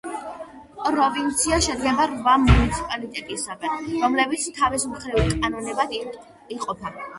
პროვინცია შედგება რვა მუნიციპალიტეტისაგან, რომლებიც თავის მხრივ კანტონებად იყოფა.